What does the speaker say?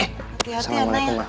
eh assalamualaikum ma